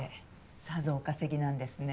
さぞお稼ぎなんですね。